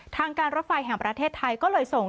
ทางการรถไฟแห่งประเทศไทยก็เลยส่ง